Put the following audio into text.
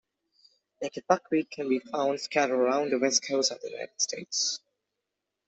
Naked buckwheat can be found scattered around the west coast of the United States.